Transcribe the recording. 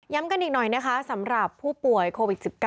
กันอีกหน่อยนะคะสำหรับผู้ป่วยโควิด๑๙